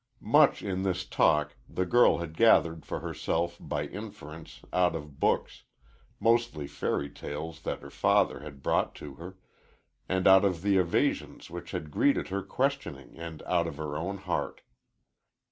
Much in this talk the girl had gathered for herself, by inference, out of books mostly fairy tales that her father had brought to her and out of the evasions which had greeted her questioning and out of her own heart.